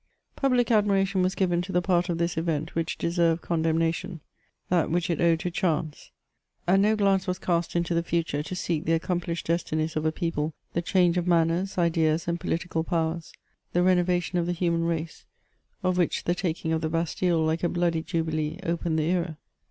Public admiration was given to the part of this event which deserved condemnation, that which it owed to chance, and no glance was cast into the future to seek the accomplished destinies of a people, the change of manners, ideas, and political powers, the renovation of the human race, of which the taking of the Bastille, like a bloody jubilee, opened the era.